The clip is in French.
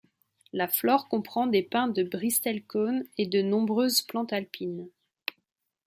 La flore comprend des pins de bristlecone et de nombreuses plantes alpines.